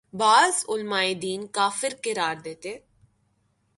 بعض علماے دین کافر قرار دیتے